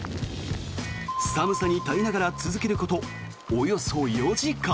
寒さに耐えながら続けることおよそ４時間。